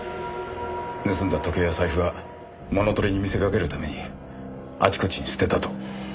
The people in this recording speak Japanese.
盗んだ時計や財布は物盗りに見せかけるためにあちこちに捨てたと。